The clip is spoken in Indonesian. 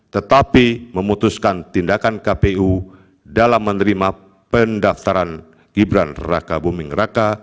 tetapi memutuskan tindakan kpu dalam menerima pendaftaran gibran raka buming raka